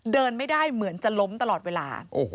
เดินไม่ได้เหมือนจะล้มตลอดเวลา